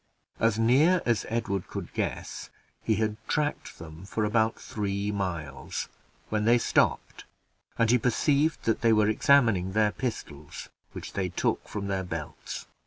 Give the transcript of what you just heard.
As near as Edward could guess, he had tracked them about three miles, when they stopped, and he perceived that they were examining their pistols, which they took from their belts.